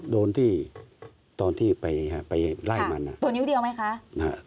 โดนที่ตอนที่ไปไล่มันตัวนิ้วเดียวไหมคะ